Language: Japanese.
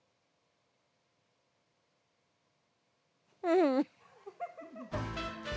うん。